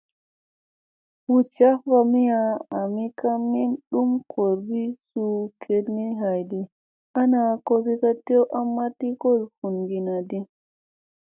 Hu jaf mamina, ami ka min ɗum goorboygi suu gedeŋ haydi ana kosi ka tew a maɗ kolo vunginadi.